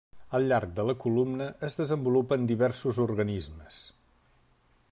Al llarg de la columna es desenvolupen diversos organismes.